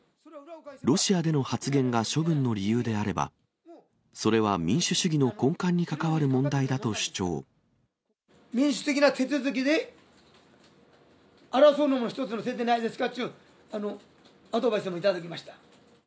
ロシアでの発言が処分の理由であれば、それは民主主義の根幹民主的な手続きで、争うのも一つの手じゃないですかっていうアドバイスも頂きました。